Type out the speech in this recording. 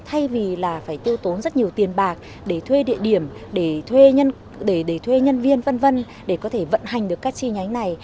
thay vì là phải tiêu tốn rất nhiều tiền bạc để thuê địa điểm để thuê nhân viên v v để có thể vận hành được các chi nhánh này